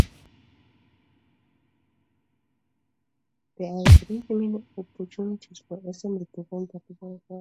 There are a great many opportunities for ensemble performance, particularly choral.